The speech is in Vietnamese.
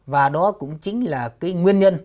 và đó cũng chính là cái nguyên nhân